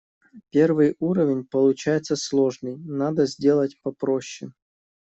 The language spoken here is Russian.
Первый уровень получается сложный, надо сделать попроще.